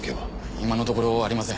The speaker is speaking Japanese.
今のところありません。